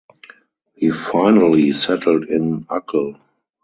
He finally settled in Uccle.